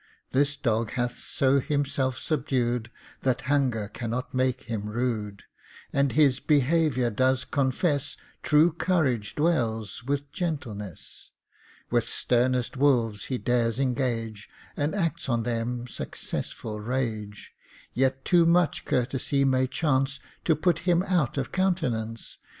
This dog hath so himself subdued That hunger cannot make him rude, And his behavior does confess True courage dwells with gentleness. With sternest wolves he dares engage, And acts on them successful rage. Yet too much courtesy may chance To put him out of countenance.